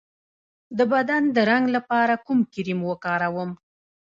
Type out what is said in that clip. د بدن د رنګ لپاره کوم کریم وکاروم؟